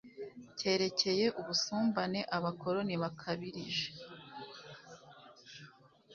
cyerekeye ubusumbane abakoloni bakabirije